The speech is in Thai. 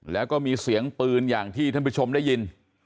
แล้วก็มีเสียงปืนอย่างที่ท่านผู้ชมได้ยิน